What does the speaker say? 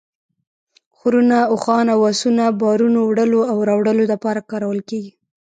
خرونه ، اوښان او اسونه بارونو وړلو او راوړلو دپاره کارول کیږي